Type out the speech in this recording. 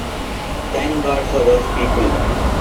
Thank God for those people.